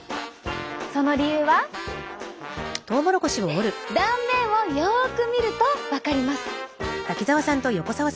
その理由は断面をよく見ると分かります。